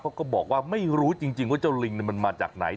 ก็บอกว่าไม่รู้จริงว่าเจ้าลิงมันมาจากไหน